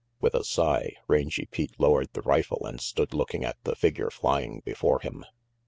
With a sigh, Rangy Pete lowered the rifle and stood looking at the figure flying before him.